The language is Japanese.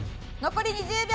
残り１０秒。